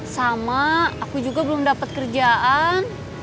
sama aku juga belum dapat kerjaan